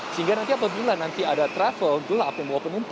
sehingga nanti apabila nanti ada travel gelap